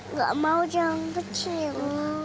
nggak mau yang kecil